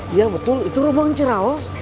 iya betul itu rombongan ciraos